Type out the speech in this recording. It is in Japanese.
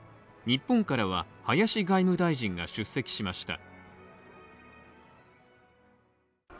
日本からは、林外務大臣が出席しました。